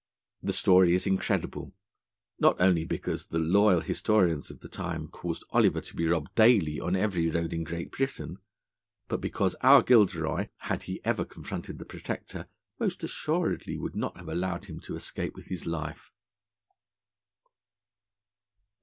The story is incredible, not only because the loyal historians of the time caused Oliver to be robbed daily on every road in Great Britain, but because our Gilderoy, had he ever confronted the Protector, most assuredly would not have allowed him to escape with his life.